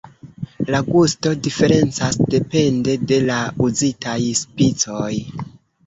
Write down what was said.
La gusto diferencas depende de la uzitaj spicoj.